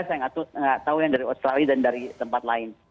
saya nggak tahu yang dari australia dan dari tempat lain